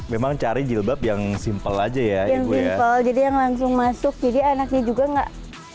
memang cari jilbab yang simple aja ya jadi yang langsung masuk jadi anaknya juga enggak